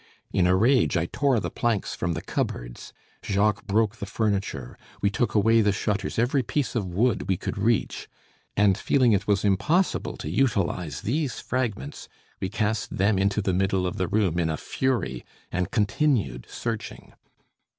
In a rage I tore the planks from the cupboards, Jacques broke the furniture, we took away the shutters, every piece of wood we could reach. And feeling it was impossible to utilise these fragments, we cast them into the middle of the room in a fury, and continued searching.